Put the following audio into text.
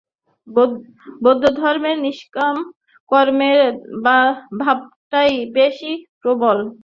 বৌদ্ধধর্মে নিষ্কাম কর্মের ভাবটাই বেশী প্রবল।